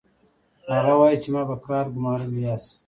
هغه وايي چې ما په کار ګومارلي یاست